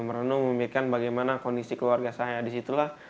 merenung memikirkan bagaimana kondisi keluarga saya di situlah